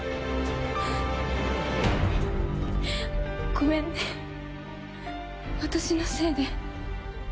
ごめんね私のせいで。